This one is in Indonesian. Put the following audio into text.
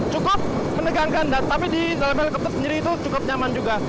cukup menegangkan tapi di dalam helikopter sendiri itu cukup nyaman juga